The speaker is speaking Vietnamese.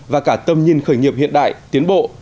và cả tâm nhìn khởi nghiệp hiện đại tiến bộ